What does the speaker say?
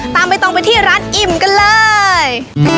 ตามไปตรงไปที่ร้านอิ่มกันเลย